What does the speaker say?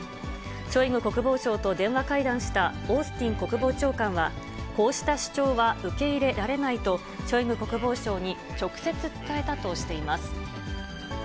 ショイグ国防相と電話会談したオースティン国防長官は、こうした主張は受け入れられないと、ショイグ国防相に直接伝えたとしています。